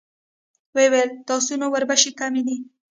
ويې ويل: د آسونو وربشې کمې دي.